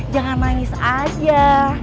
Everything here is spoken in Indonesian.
jangan nangis aja